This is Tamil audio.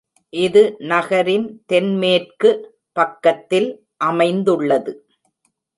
இது நகரின் தென்மேற்கு பக்கத்தில் அமைந்துள்ளது.